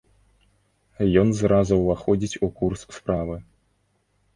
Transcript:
Ён зразу ўваходзіць у курс справы.